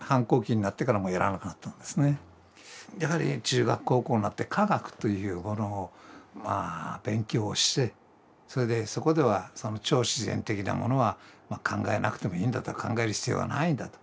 やはり中学・高校になって科学というものを勉強をしてそれでそこではその超自然的なものは考えなくてもいいんだと考える必要はないんだと。